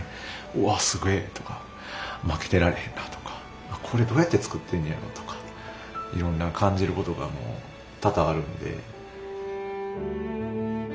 うわすげえとか負けてられへんなとかこれどうやって作ってんねやろとかいろんな感じることが多々あるんで。